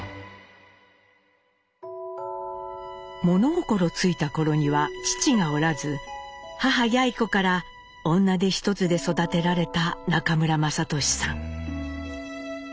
物心ついた頃には父がおらず母・やい子から女手一つで育てられた中村雅俊さん。